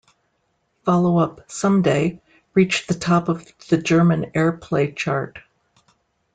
Follow-up "Someday" reached the top of the German Airplay Chart.